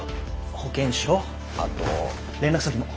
保険証あと連絡先も。